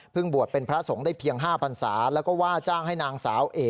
บวชเป็นพระสงฆ์ได้เพียง๕พันศาแล้วก็ว่าจ้างให้นางสาวเอ๋